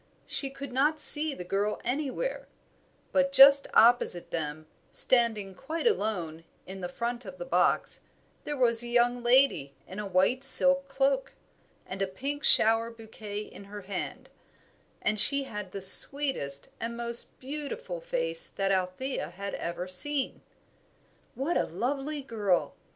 She could not see the girl anywhere; but just opposite them, standing quite alone in the front of a box, there was a young lady in a white silk cloak, and a pink shower bouquet in her hand, and she had the sweetest and most beautiful face that Althea had ever seen. "What a lovely girl!"